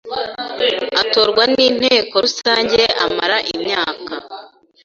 atorwa n inteko Rusange amara imyaka